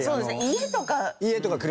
家とかね